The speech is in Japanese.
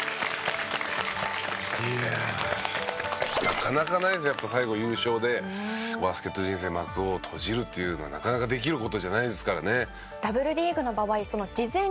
いやあ」なかなかないですよやっぱ最後優勝でバスケット人生幕を閉じるっていうのはなかなかできる事じゃないですからね。